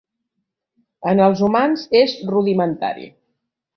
En els humans és rudimentari.